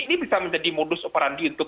ini bisa menjadi modus operandi untuk